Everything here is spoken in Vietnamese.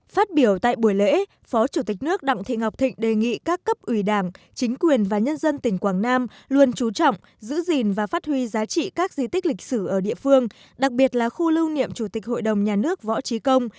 phát biểu tại buổi lễ phó chủ tịch nước đặng thị ngọc thịnh đề nghị các cấp ủy đảng chính quyền và nhân dân tỉnh quảng nam luôn trú trọng giữ gìn và phát huy giá trị các di tích lịch sử ở địa phương đặc biệt là khu lưu niệm chủ tịch hội đồng nhà nước võ trí công